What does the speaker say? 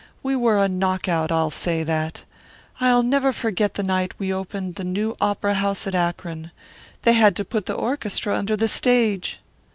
We were a knock out, I'll say that. I'll never forget the night we opened the new opera house at Akron. They had to put the orchestra under the stage."